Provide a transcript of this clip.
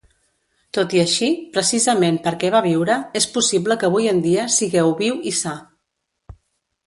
Tot i així, precisament perquè va viure, és possible que avui en dia sigueu viu i sa.